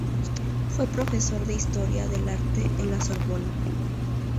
Fue profesor de Historia del Arte en la Sorbona.